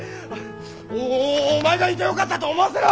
おおおお前がいてよかったと思わせろ！